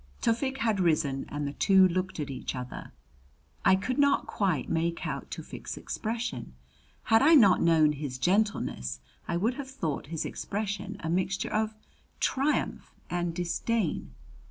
Tufik had risen and the two looked at each other. I could not quite make out Tufik's expression; had I not known his gentleness I would have thought his expression a mixture of triumph and disdain.